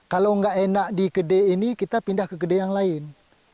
kalau nggak enak di kedai ini kita pindah ke kedai yang lain